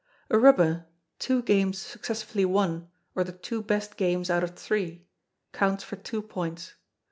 A Rubber two Games successively won, or the two best Games out of three counts for Two Points.